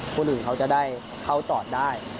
คนอื่นเขาจะได้เข้าจอดได้